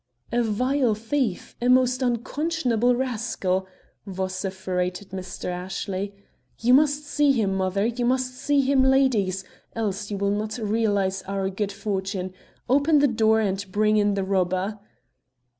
"A vile thief! A most unconscionable rascal!" vociferated Mr. Ashley. "You must see him, mother; you must see him, ladies, else you will not realize our good fortune. Open the door there and bring in the robber!"